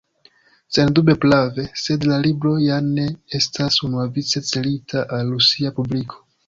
Sendube prave, sed la libro ja ne estas unuavice celita al rusia publiko.